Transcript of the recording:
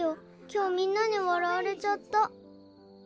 今日みんなにわらわれちゃった。